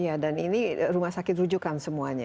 iya dan ini rumah sakit rujukan semuanya